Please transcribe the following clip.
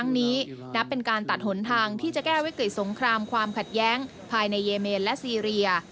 นี้นับเป็นการตัดหนทางที่จะแก้วิกฤตสงครามความขัดแย้งภายในเยเมนและซีเรีย